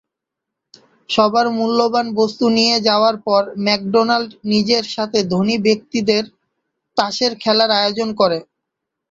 সবার মূল্যবান বস্তু নিয়ে যাওয়ার পর ম্যাকডোনাল্ড নিজের সাথে ধনী ব্যক্তিদের তাসের খেলার আয়োজন করে।